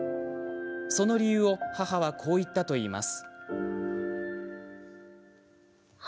その理由を母はこう言ったといいます。